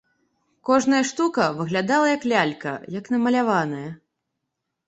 Кожная штука выглядала, як лялька, як намаляваная.